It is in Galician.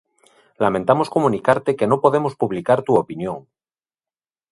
Lamentamos comunicarte que no podemos publicar tu opinión.